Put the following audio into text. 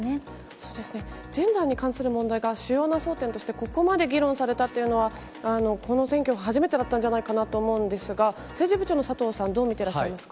そうですね、ジェンダーに関する問題が主要な争点としてここまで議論されたっていうのは、この選挙が初めてだったんじゃないかなと思うんですが、政治部長の佐藤さん、どう見てらっしゃいますか。